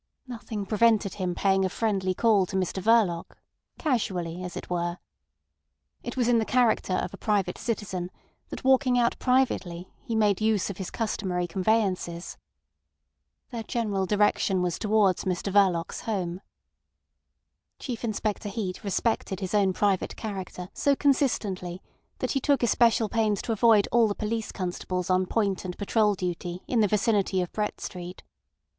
Nothing prevented him paying a friendly call to Mr Verloc, casually as it were. It was in the character of a private citizen that walking out privately he made use of his customary conveyances. Their general direction was towards Mr Verloc's home. Chief Inspector Heat respected his own private character so consistently that he took especial pains to avoid all the police constables on point and patrol duty in the vicinity of Brett Street.